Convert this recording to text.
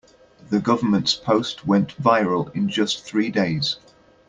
The government's post went viral in just three days.